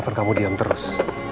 oh sempat kamu diam terus